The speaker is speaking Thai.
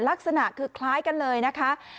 ลักษณะคือคล้ายกันเลยนะคะ